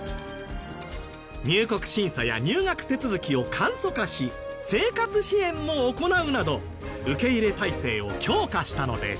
入国審査や入学手続きを簡素化し生活支援も行うなど受け入れ態勢を強化したのです。